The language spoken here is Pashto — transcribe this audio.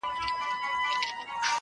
زما هيله زما د وجود هر رگ کي بهېږي,